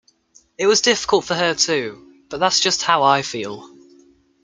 It was difficult for her too, but that's just how I feel.